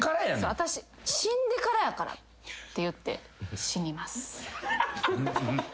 「私死んでからやから」って言って死にます。